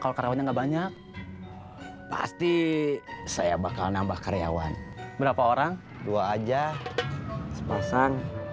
kau karawannya enggak banyak pasti saya bakal nambah karyawan berapa orang dua aja sepasang